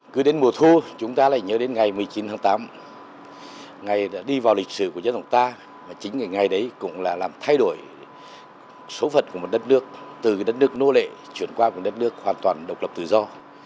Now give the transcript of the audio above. cứ đến mùa thu chúng ta lại nhớ đến ngày một mươi chín tháng tám ngày đã đi vào lịch sử của dân tộc ta và chính cái ngày đấy cũng là làm thay đổi số phận của một đất nước từ đất nước nô lệ chuyển qua một đất nước hoàn toàn độc lập tự do